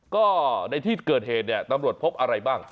ก็ในที่เกิดเหตุเนี่ยตำรวจพบอะไรบ้าง